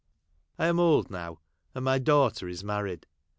I am old now, and my daiighter is married.